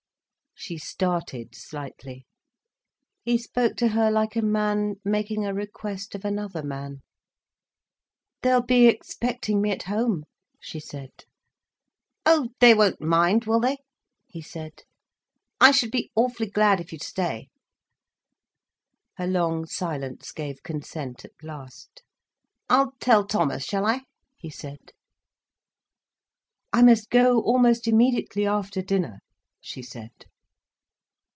She started slightly. He spoke to her like a man making a request of another man. "They'll be expecting me at home," she said. "Oh, they won't mind, will they?" he said. "I should be awfully glad if you'd stay." Her long silence gave consent at last. "I'll tell Thomas, shall I?" he said. "I must go almost immediately after dinner," she said.